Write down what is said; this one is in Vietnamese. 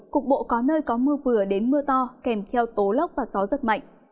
cục bộ có nơi có mưa vừa đến mưa to kèm theo tố lốc và gió rất mạnh